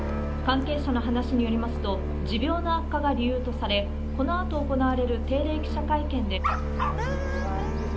関係者の話によりますと持病の悪化が理由とされこのあと行われる定例記者会見で。